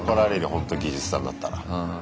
ほんと技術さんだったら。